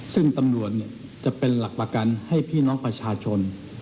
ซึ่งตำรวจจะเป็นหลักประกันให้พี่น้องประชาชน